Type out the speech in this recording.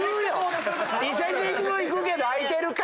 伊勢神宮行くけど空いてるか？